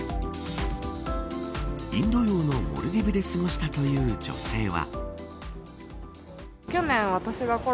インド洋のモルディブで過ごしたという女性は。